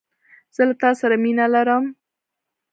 زه له تاسره مينه لرم